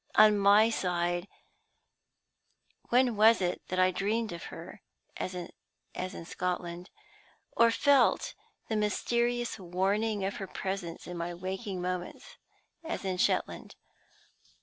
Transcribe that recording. On my side, when was it that I dreamed of her (as in Scotland), or felt the mysterious warning of her presence in my waking moments (as in Shetland)?